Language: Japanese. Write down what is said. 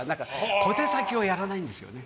小手先をやらないんですよね。